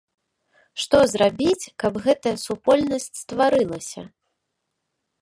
Што зрабіць, каб гэтая супольнасць стварылася?